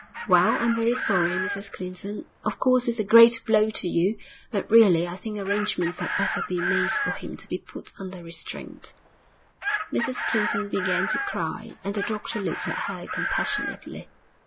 'Well, I'm very sorry, Mrs Clinton; of course it's a great blow to you; but really I think arrangements had better be made for him to be put under restraint.' Mrs Clinton began to cry, and the doctor looked at her compassionately.